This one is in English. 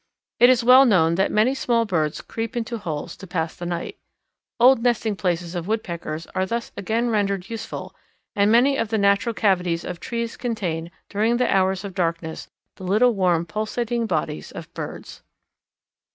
It is well known that many small birds creep into holes to pass the night. Old nesting places of Woodpeckers are thus again rendered useful, and many of the natural cavities of trees contain, during the hours of darkness, the little warm, pulsating bodies of birds.